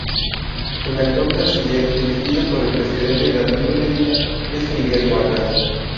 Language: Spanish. El actual Canciller, elegido por el presidente Danilo Medina, es Miguel Vargas.